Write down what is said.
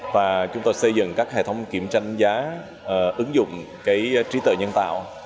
và chúng tôi xây dựng các hệ thống kiểm tranh giá ứng dụng trí tuệ nhân tạo